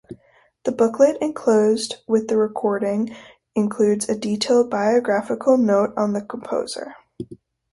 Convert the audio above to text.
The booklet enclosed with the recording includes a detailed biographical note on the composer.